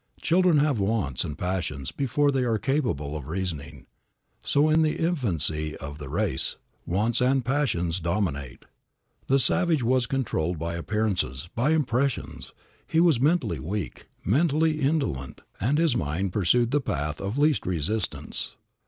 Children have wants and passions before they are capable of reasoning. So, in the infancy of the race, wants and passions dominate. The savage was controlled by appearances, by impressions; he was mentally weak, mentally indolent, and his mind pursued the path of least resistance.